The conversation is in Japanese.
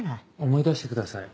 思い出してください。